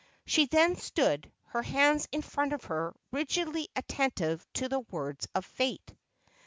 She then stood, her hands in front of her, rigidly attentive to the words of fate.